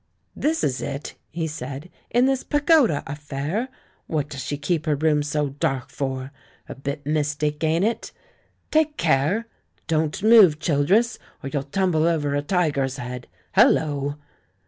"This is it," he said; "in this Pagoda affair. What does she keep her rooms so dark for; a bit mystic, ain't it? Take care! don't move, Child ers, or you'll tumble over a tiger's head. Hullo!"